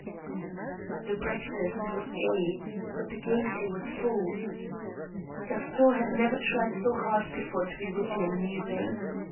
The breakfast was gay, but the gayety was forced. ' Gaston had never tried so hard before to be witty and amusing.